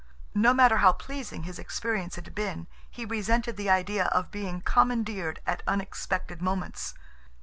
No matter how pleasing his experience had been, he resented the idea of being commandeered at unexpected moments.